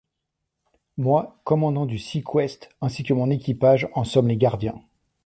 Moi, Commandant du SeaQuest, ainsi que mon équipage, en sommes les gardiens.